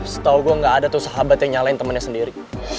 setahu gue gak ada tuh sahabat yang nyalain temennya sendiri